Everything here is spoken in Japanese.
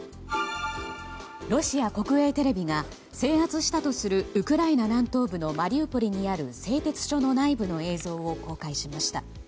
ロシア国営テレビが制圧したとするウクライナ南東部のマリウポリにある製鉄所の内部の映像を公開しました。